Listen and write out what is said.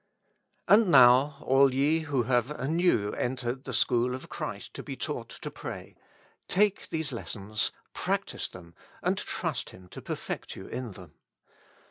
And now, all ye who have anew entered the school of Christ to be taught to pray, take these lessons, practice them, and trust Him to perfect you in them.